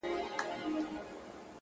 په گلونو کي د چا د خولې خندا ده!!